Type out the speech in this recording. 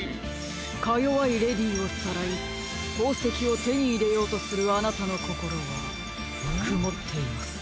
かよわいレディーをさらいほうせきをてにいれようとするあなたのこころはくもっています。